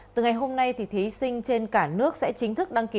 từ ngày hôm nay thí sinh trên cả nước sẽ chính thức đánh giá